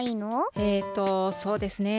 えっとそうですね